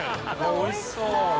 おいしそう！